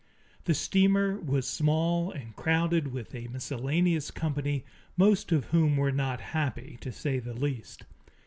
The steamer was small and crowded with a miscellaneous company, most of whom were not happy, to say the least.